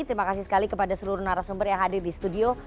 terima kasih sekali kepada seluruh narasumber yang hadir di studio